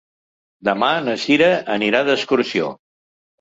Demà na Cira anirà d'excursió.